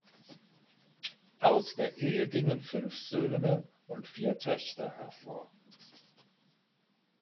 Aus der Ehe gingen fünf Söhne und vier Töchter hervor.